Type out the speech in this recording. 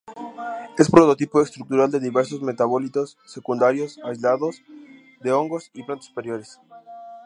Es prototipo estructural de diversos metabolitos secundarios aislados de hongos y plantas superiores.